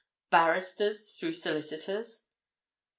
—barristers through solicitors?"